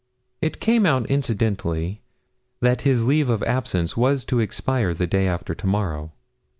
It came out incidentally that his leave of absence was to expire the day after to morrow.